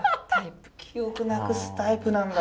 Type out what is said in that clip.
記憶なくすタイプなんだ。